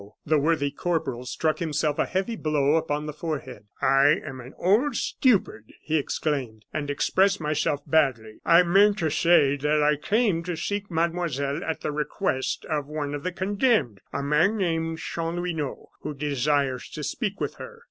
The worthy corporal struck himself a heavy blow upon the forehead. "I am an old stupid!" he exclaimed, "and express myself badly. I meant to say that I came to seek mademoiselle at the request of one of the condemned, a man named Chanlouineau, who desires to speak with her."